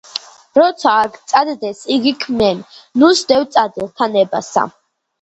რაცა არ გწადდეს, იგი ქმენ, ნუ სდევ წადილთა ნებასა!